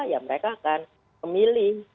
ya mereka akan memilih